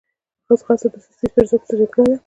ځغاسته د سستي پر ضد جګړه ده